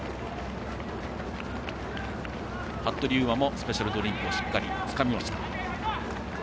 服部勇馬もスペシャルドリンクをつかみました。